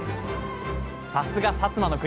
さすが薩摩の国！